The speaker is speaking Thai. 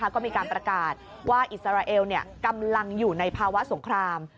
ก็มีการประกาศว่าอิสราเอลกำลังอยู่ในภาวะสงคราม